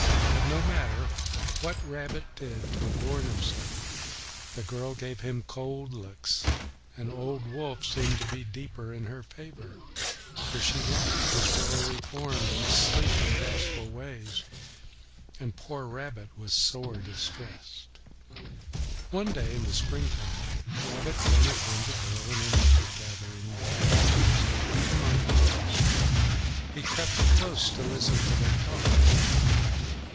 But no matter what Rabbit did to adorn himself, the girl gave him cold looks, and old Wolf seemed to be deeper in her favour, for she liked his willowy form and his sleek and bashful ways. And poor Rabbit was sore distressed. One fine day in the spring time, Rabbit came upon the girl and her mother gathering May flowers among the moss. He crept close to listen to their talk.